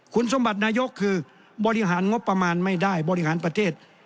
คุณสมบัตินายกคือบริหารงบประมาณไม่ได้บริหารประเทศ